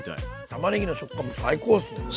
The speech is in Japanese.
たまねぎの食感も最高っすね。